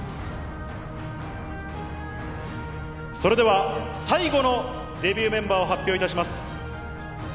それでは最後のデビューメンバーを発表いたします。